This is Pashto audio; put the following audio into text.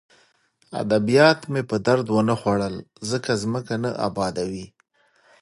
ادبیات مې په درد ونه خوړل ځکه ځمکه نه ابادوي